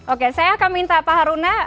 oke saya akan minta pak haruna